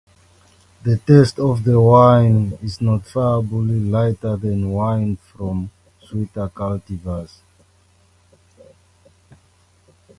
The taste of the wine is noticeably lighter than wine from sweeter cultivars.